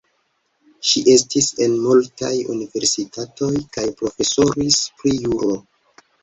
Ŝi estis en multaj universitatoj kaj profesoris pri juro.